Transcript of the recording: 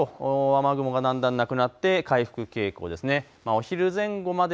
その後、夕方、夜と雨雲がだんだんなくなって回復傾向ですね。